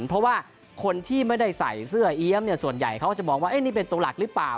เพราะว่าคนที่ไม่ได้ใส่เสื้อเอี๊ยมส่วนใหญ่เขาก็จะบอกว่านี่เป็นตัวหลักหรือเปล่า